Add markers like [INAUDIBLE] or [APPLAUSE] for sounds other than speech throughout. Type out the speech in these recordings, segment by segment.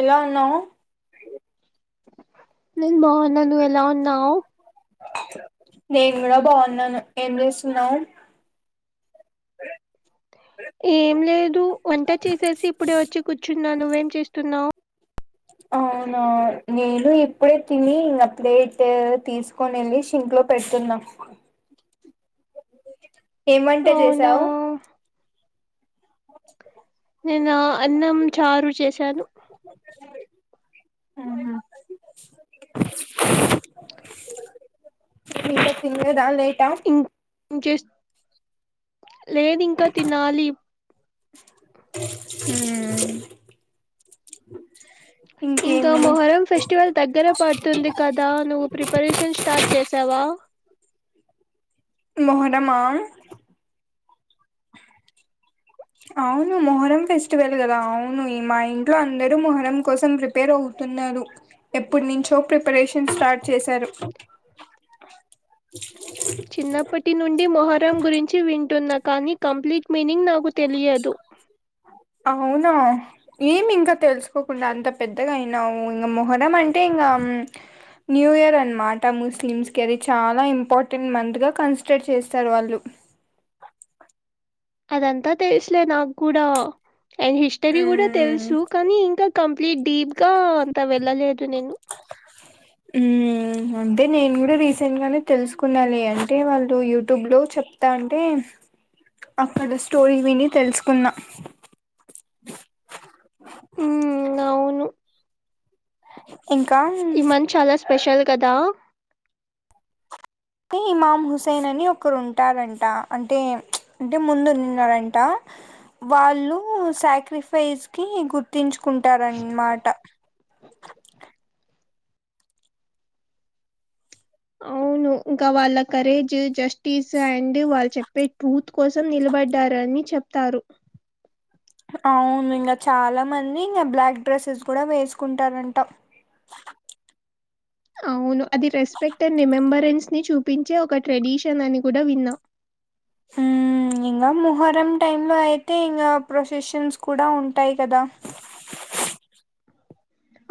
ఎలా ఉన్నావు నేను బాగున్నా నువ్వు ఎలా ఉన్నావు నేను కూడా బాగున్నాను ఏం చేస్తున్నావ్ ఏం లేదు వంట చేసేసి ఇప్పుడే వచ్చి కూర్చున్నా నువ్వేం చేస్తున్నావు అవునా నేను ఇప్పుడే తిని ఇంగా ప్లేట్ తీసు కొనింది సింక్లో పెడుతున్నా ఏం వంట అవునా చేశావు నేనా అన్నం చారు చేశాను ఆహా నువ్వు ఇంకా తినలేదా లేట్ ఉమ్ జస్ లేదింకా తినాలి ఉమ్మ్ ఇంకా మొహరం ఫెస్టివల్ దగ్గర పడుతుంది కదా నువ్వు ప్రిపరేషన్ స్టార్ట్ చేసావా మోహరమా [INAUDIBLE] అవును మొహరం ఫెస్టివల్ కదా అవును మా ఇంట్లో అందరూ మొహరం కోసం ప్రిపేర్ అవుతున్నారు ఎప్పటి నుంచో ప్రిపరేషన్ స్టార్ట్ చేశారు చిన్నప్పటి నుండి మొహరం గురించి వింటున్నా కానీ కంప్లీట్ మీనింగ్ నాకు తెలియదు అ అవునా ఏమి ఇంకా తెలుసుకోకుండా అంత పెద్దగా అయినావు ఇంకా మొహరం అంటే ఇంగ న్యూ ఇయర్ అనమాట ముస్లిమ్స్కి అది చాలా ఇంపార్టెంట్ మంత్గ కన్సిడర్ చేస్తారు వాళ్ళు అదంతా తెలుసులే నాకు కూడా అండ్ హిస్టరీ కూడా ఉమ్ తెలుసు కానీ ఇంకా కం ప్లీట్ డీప్ గా అంత వెళ్ళలేదు నేను ఆ అంటే నేను కూడా రీసెంట్గానే తెలుసుకున్నాలే అంటే వాళ్ళు యూట్యూబ్ లో చెప్ ప్తాంటే అక్కడ స్టోరీ విని తెలుసుకున్న ఉ అవును అ [INAUDIBLE] ఇంకా ఈ మంత్ చాలా స్పెషల్ కదా ని ఇమాం హుస్సేన్ అని ఒకరు ఉంటారంట అంటే అంటే ముందున్నారంట వాళ్ళు సాక్రిఫైస్ కి గుర్తించుకుంటారన్నమాట అవును ఇంకా వాళ్ళ కరేజ్ జస్టిస్ అండ్ వాళ్ళు చెప్పే ట్రూత్ కోసం నిలబడ్డారని చెప్ తారు అవును ఇంకా చాలా మంది ఇంకా బ్లాక్ డ్రెస్సెస్ కూడా వేసుకుంటారంటా అవును అది రెస్పెక్ట్ అండ్ రిమెంబరెన్స్ ని చూపించే ఒక ట్రెడిషన్ అని కూడా విన్నా ఉమ్ ఇంగ మహరం టైంలో అయితే ఇంకా ప్రొసెషన్స్ కూడా ఉంటాయి కదా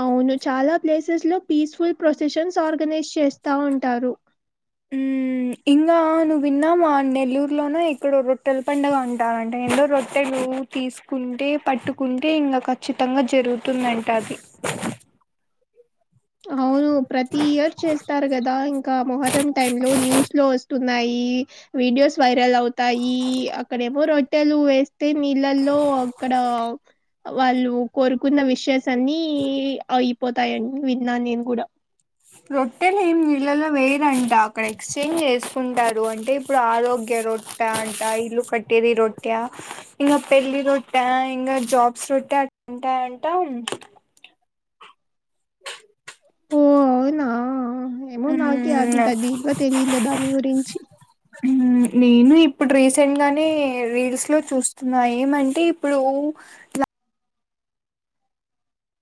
అవును చాలా ప్లేసెస్ లో పీస్ఫుల్ ప్రొసెషన్స్ ఆర్గనైజ్ చేస్తా ఉంటారు ఉమ్ ఇంకా నువ్విన్నావా నెల్లూరులోనో ఎక్కడో రొట్టెల పడుగ అంటారంటే ఏందో రొట్టెలు తీసుకుంటే పట్టుకుంటే ఇంకా ఖచ్చితంగా జరుగుతుందంట అది అవును ప్రతి ఇయర్ చేస్తారు కదా ఇంకా మొహరం టైమ్ లో న్యూస్ లో వస్తు న్నాయి వీడియోస్ వైరల్ అవుతాయి అక్కడ ఎవో రొట్టెలు వే తే నీళ్ళల్లో అక్కడ వాళ్ళు కోరుకున్న విషెస్ సన్నీ అయిపోతాయని విన్నాను నేను కూడా రొట్టెలు ఏం నీళ్ళలో వేయరంట అక్కడ ఎక్స్చేంజ్ చేసుకుంటారు అంటే ఇప్పుడు ఆరోగ్య రొ అంట ఇల్లు కట్టేది రోట్టయా ఇంకా పెళ్ళి రొట్టా ఇంకా జాబ్స్ రొట్టా అట్లా ఉంటాయి అంటా ఓ అవునా ఏమో నాకే అంత మ్మ్ ఢీప్గా తెలియలే దాని గురించి ఉమ్ నేను ఇప్పుడు రీసెంట్ గానే రీల్స్ లో చూస్తున్నా ఏమంటే ఇప్పుడు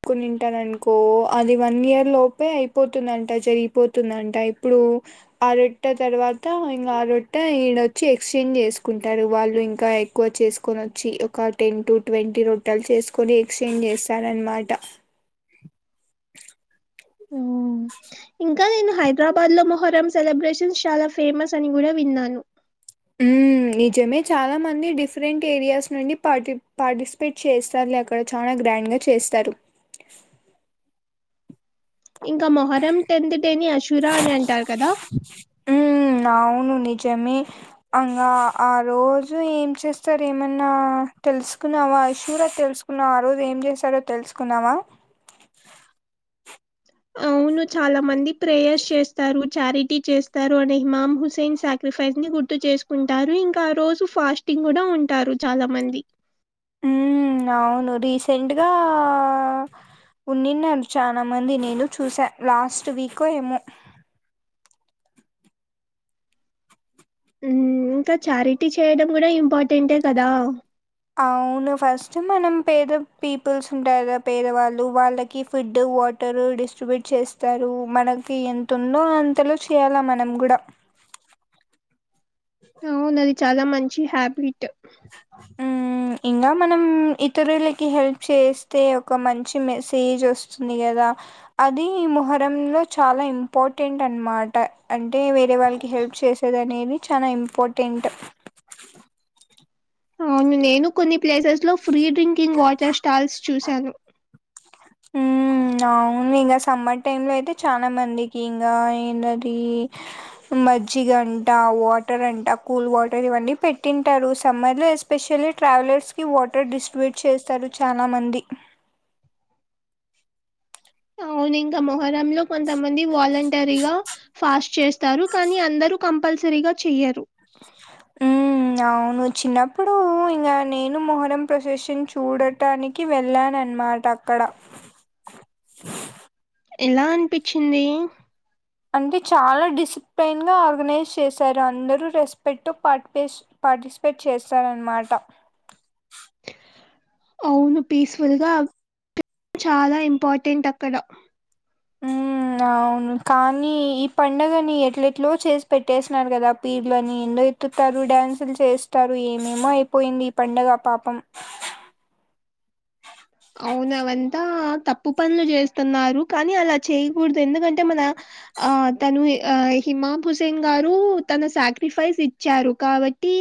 కునింటరనుకో అది వన్ ఇయర్ లోపే అయిపోతుందంట జరిగిపోతుందంట ఇప్పుడు అరొట్టె తర్వాత ఇంకా అ రొట్టె ఈడొచ్చి ఎక్స్చేంజ్ చేసుకుంటారు వాళ్ళు ఇంకా ఎ ఎక్కువ చేసుకొని వచ్చి ఒక టెన్ టు ట్వంటీ రొట్టలు చేసుకొని ఎక్స్చేంజ్ చేస్తారు అనమాట టా ఉమ్ ఇం కా నేను హైదరాబాద్లో మొహరం సెలబ్రేషన్స్ చాలా ఫేమస్ అని కూడా విన్నాను ఉమ్ నిజమే చాలా మంది డిఫరెంట్ ఏరియాస్ నుండి పాటి పార్టిసిపేట్ చేస్తారు అక్కడ చాలా గ్రాండ్గా చేస్తారు ఇంక మొహరం టెన్త్ డే ని అశురా అని అంటారు కదా ఉ అవును నిజమే అంగా ఆ రోజు ఏం చేస్తారు ఏమన్నా తెలుసుకున్నావా అష్యూరా తెలుస్క్ న్నావా ఆ రోజు ఏం చేశారో తెలుసుకున్నావా అవును చాలా మంది ప్రేయర్స్ చేస్తారు చారిటీ చేస్తారు అనే హమామ్ హుస్సైన్ సా ప్రిపేస్ని గుర్తు చేసుకుంటారు ఇంకా ఆ రోజు ఫాస్టింగ్ కూడా ఉంటారు చాలా మంది. ఉ అవును రీసెంట్గా వున్నినారు చాలా మంది నేను చూసా లాస్ట్ వీకో ఏమో. ఉమ్ ఇంకా ఛారిటీ చేయడం కూడా ఇంపార్టెంటే కదా. అవును ఫస్ట్ మనం పేద పీపుల్స్ ఉంటారు కదా పేదవాళ్ళు వాళ్ళకి ఫుడ్ వాట్ టరు డిస్ట్రిబ్యూట్ చేస్తారు మనకి ఎంతుందో అంతలో చేయాలా మనం కూడా. అవును అది చాలా మంచి హ్యాబిట్ ఉ ఇంకా మనం ఇతరులకి హెల్ప్ చేస్తే ఒక మంచి మెసేజ్ వస్ స్తుంది కదా అది ఈ ముొహరంలో చాలా ఇంపార్టెంట్ అనమాట. అంటే వేరే వాళ్ళకి హెల్ప్ చేసేది అనేది చాలా ఇంపార్టెంట్. అవును నేను కొన్ని ప్లేసెస్లో ఫ్రీ డ్రింకింగ్ వాటర్ స్టాల్స్ చూశాను. ఉ ఉ అవును ఇంకా సమ్మర్ టైమ్లో అయితే చాలా మందికి ఇంకా ఏందది మజ్జిగ అంట వాటర్ అంట కూల్ వాటర్ ఇవన్నీ పెట్టింటారు సమ్మర్లో యెస్ స్పెషల్లీ ట్రావెలర్స్కి వాటర్ డిస్ట్రిబ్యూట్ చేస్తారు చానా మంది. అవును ఇంకా మొహరంలో కొంతమంది వాలంటరీగా ఫాస్ చేస్త్ తారు కానీ అందరు కంపల్సరీగా చెయ్యరు ఉ అవును చిన్నప్పుడు ఇంగా నేను మొహరం ప్రొసెషన్ చూడట్ టానికి వెళ్ళానా అనమాట అక్కడ ఎలా అనిపించింది అంటే చాలా డిసిప్లైన్గా ఆర్గనైజ్ చేశారు అందరూ రెస్పెక్టు పర్టీపెస్ పార్టిసిపేట్ చేస్తారా అనమాట అవును పీస్ఫుల్గా చాలా ఇంపార్టెంట్ అక్కడ ఉ అవును కానీ ఈ పండగని ఎట్లేట్లో చేసి పెట్టేసినారు కదా పీర్లని ఏందో యెత్తుతారు డ్యాన్సులు చేస్తారు ఏమేమో అయిపోయింది ఈ పండుగ పాపం. అవును అవంతా తప్పు పనులు చేస్తన్నారు కానీ అలా చేయకూడదు ఎందుకంటే మన ఆ తను ఆ హిమామ్ హుసేన్ గారు తన సాక్రిఫైస్ ఇ చ్చారు కావట్టి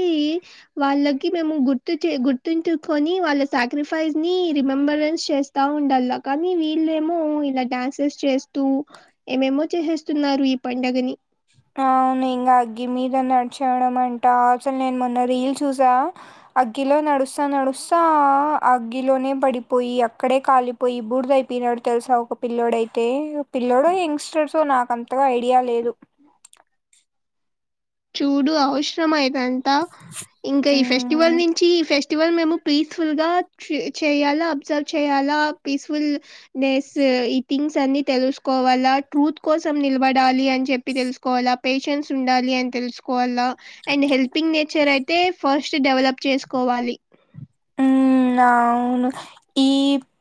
వాళ్ళకి మేము గుర్తు చే గుర్తుంచుకొని వాళ్ళ సాక్రిఫైస్ని రిమెంబరెన్స్ చేస్తా ఉండలా కానీ వీళ్ళేమో ఇలా డడాన్సెస్ చేస్తూ. ఏమేమో చేసేస్తున్నారు ఈ పండగని అవును ఇంగా అగ్గి మీద నడచడం అంటా అసలు నేను మొన్న రీల్ చూసా అగ్గిలో నడుస్తా నడుస్తా అగ్గిలోనే పడిపోయి అక్కడే కాలిప్ పోయి బూడిద అయిపోయినాడు తెలుసా ఒక పిల్లడు అయితే పిల్ల్లోడు యంగ్ స్టార్స్ సో నాకు అంతగా ఐడియా లేదు. చూడు అవసరమా ఇదంతా ఇంకా ఈ మ్మ్ ఫెస్టివల్ని చి ఈ ఫెస్టివల్ మేము పీస్ఫుల్గా చి చేయాలా అబ్జర్వ్ చేయాలా పీస్ఫుల్ నెసు ఈ థింగ్స్ అన్ని తెలుసుకోవల్ల ట్రూత్ కోసం నిలబడాలి అని చెప్పి తెల్స్ కోవాలా పేషెన్సి ఉండాలి అన్ తెలుసుకోవాలా అండ్ హెల్పింగ్ నేచర్ అయితే ఫస్ట్ డెవలప్ చేసుకోవాలి. ఉ అవును ఈ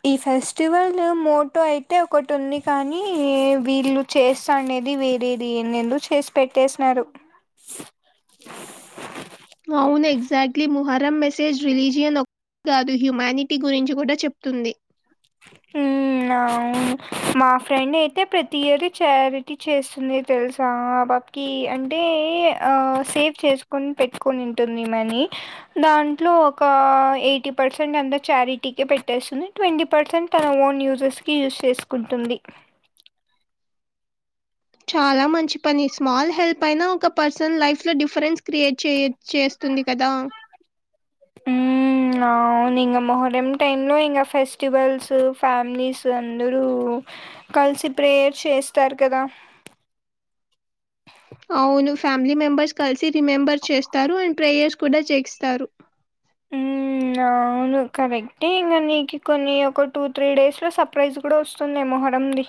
ఈ ఫెస్టివల్ మోటో అయితే ఒకటి ఉంది కానీ వీళ్ళు చేస్తాండేది వేరేది ఏందేందో చేసి పెట్టేసినారు అవును ఎగ్జాక్ట్లీ మొహరం మెసేజ్ రిలీజియన్ కాదు హ్యూమానిటీ గురించి కూడా చెప్తుంది ఉమ్మ్ మ్మ్ అవును మా ఫ్రెండ్ అయితే ప్రతి ఏడు చారిటీ చేస్తుంది తెలుసా బా కి అంటే ఆ సేవ్ చేసుకొని పెట్టుకొనింటుంది మనీ దాంట్లో ఒక ఎయిటీ పర్సెంట్ అంత చారిటీ‌కే పెట్టేస్తుంది ట్వంటీ పర్సెంట్ తన ఓన్ యూజెస్కి యూజ్ చేసుకుంటుంది చాలా మంచి పని స్మాల్ హెల్ప్ అయినా ఒక పర్సన్ లైఫ్‌లో డిఫరెన్స్ క్రియేట్ చేయ చేస్తుంది కదా ఉమ్మ్ అవును ఇంగా మొహరం టైంలో ఇంగ ఫెస్టివల్స్ ఫ్యామిలీస్ అందరూ కలిసి ప్రేయర్ చేస్తారు కదా అవును ఫ్యామిలీ మెంబెర్స్ కలిసి రిమెంబర్ చేస్తారు అండ్ ప్రేయర్స్ కూడా చేక్‌‌స్తారు ఉమ్మ్ అవును కరెక్టే ఇంగ నీకి కొన్ని ఒక టూ త్రీ డేస్‌లో సర్ప్రైజ్ కూడా వస్తుంది మొహరంది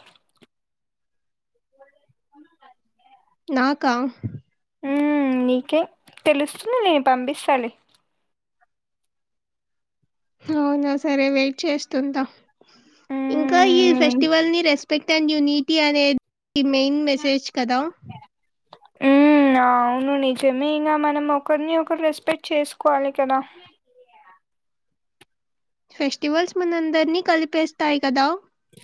నాకా ఉమ్మ్ నీకే తెలుస్తుందిలే పంపిస్తాలే అవునా సరే వెయిట్ చేస్తుంటా ఇంకా ఈ మ్మ్ ఫెస్టివల్ని రెస్పెక్ట్ అండ్ యూనిటీ అనే మెయిన్ మెసేజ్ కదా ఉమ్మ్ మ్మ్ అవును నిజమే ఇంగ మనం ఒకరిని ఒకరు రెస్పెక్ట్ చేసుకోవాలి కదా ఫెస్టివల్స్ మన అందరినీ కలిపేస్తాయి కదా ఇ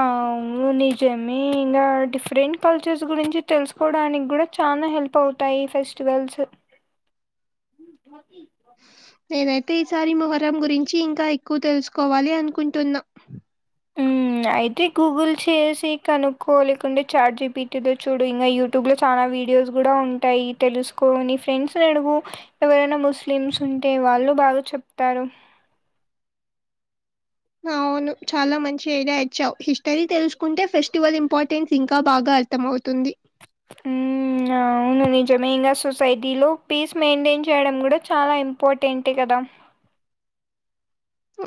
అవును నిజమే ఇంగా డిఫరెంట్ కల్చర్స్ గురించి తెలుసుకోవడానికి కూడా చానా హె ల్ప్ అవుతాయి ఫెస్టివల్స్ నేనైతే ఈసారి మొహరం గురించి ఇంకా ఎక్కువ తెలుసుకోవాలి అనుకుంటున్నా హ్మ్ అయితే గూగుల్ చేసి కనుక్కో లేకుంటే చాట్ జిపిటిలో చూడు ఇంకా యూ ట్యూబ్లో చానా వీడియోస్ కూడా ఉంటాయి తెలుసుకో నీ ఫ్రెండ్స్‌ని అడుగు ఎవరైనా ముస్లిమ్స్ ఉంటే వాళ్ళు బాగా చెప్తారు అవును చాలా మంచి ఐడియా ఇచ్చావు హిస్టరీ తెలుసుకుంటే ఫే స్టివల్ ఇంపార్టెన్స్ ఇంకా బాగా అర్థం అవుతుంది ఉమ్మ్ అవును నిజమే ఇంగ సొసైటీలో పీస్ మెయింటెన్ చేయడం కూడా చాలా ఇంపార్టెంటే కదా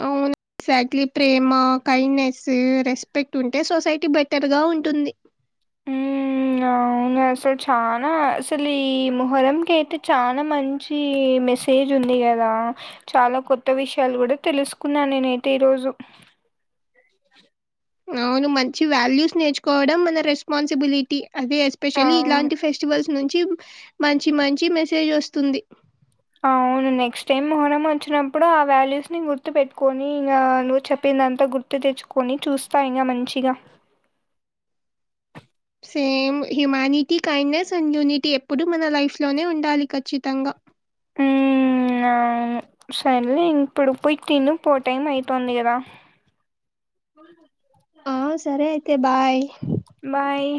అవును ఎగ్జాక్ట్లీ ప్రేమ కైండ్నేస్ రెస్పెక్ట్ ఉంటే సొసైటీ బెటర్‌గా ఉంటుంది ఉమ్మ్ అవునా అసలు చానా అసలు ఈ ముహరం‌కి అయితే చానా మంచి మె సేజ్ ఉంది కదా చాలా కొత్త విషయాలు కూడా తెలుసుకున్నా నేనైతే ఈరోజు అవును మంచి వాల్యూస్ నేర్చుకోవడం మన రెస్పాన్సిబిలిటీ అది ఎస్పెషల్లీ అవును ఇలాంటి ఫెస్టివల్స్ నుంచి మంచి మంచి మెసేజ్ వస్తుంది అవును నెక్స్ట్ టైమ్ మొహరం వచ్చినప్పుడు ఆ వ్యాల్యూస్‌ని గుర్తు పెట్టుకని ఇంగా నువ్వు చెప్పిందంతా గు ర్తు తెచ్చుకొని చూస్తా ఇంగా మంచిగా same humanity kindness and unity ఎప్పుడు మన లైఫ్ లోనే ఉండాలి ఖచ్చితంగా సరేలే ఇప్పుడు పోయి తిను పో టైం అయితుంది కదా ఆ సరే అయితే బాయ్ బాయ్